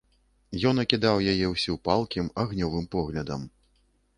Ён акідаў яе ўсю палкім, агнёвым поглядам.